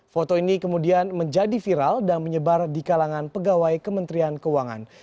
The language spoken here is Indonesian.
foto ini kemudian menjadi viral dan menyebar di kalangan pegawai kementerian keuangan